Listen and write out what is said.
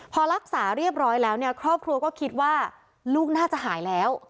พอรักษาเรียบร้อยแล้วเนี่ยครอบครัวก็คิดว่าลูกน่าจะหายแล้ว